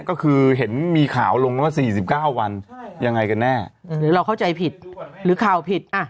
ก็คือเห็นมีข่าวลงกันว่า๔๙วันยังไงกันแน่หรือเราเข้าใจผิดหรือข่าวผิดอ่ะ